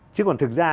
chứ còn thực ra